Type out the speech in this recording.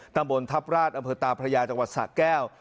ตำบลทัพราชอำเภอตาพระยาจังหวัดสะแก้ว